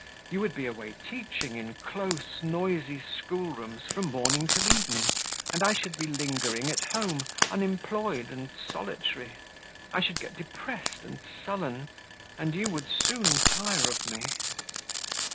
You would be away teaching in close, noisy school rooms, from morning till evening, and I should be lingering at home, unemployed and solitary; I should get depressed and sullen, and you would soon tire of me."